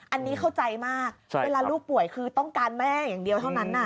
อันนี้เข้าใจมากเวลาลูกป่วยคือต้องการแม่อย่างเดียวเท่านั้น